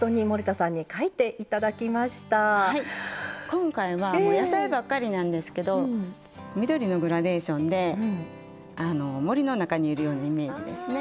今回はもう野菜ばっかりなんですけど緑のグラデーションであの森の中にいるようなイメージですね。